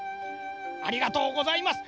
ありがとうございます。